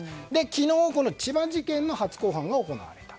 昨日千葉事件の初公判が行われた。